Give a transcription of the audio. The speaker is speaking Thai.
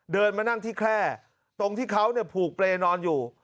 เดินมานั่งที่แคร่ตรงที่เขาผูกเปรย์นอนอยู่